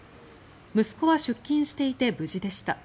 息子は出勤していて無事でした。